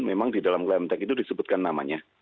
memang di dalam klemtek itu disebutkan namanya